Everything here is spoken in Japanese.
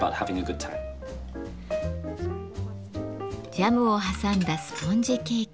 ジャムを挟んだスポンジケーキ。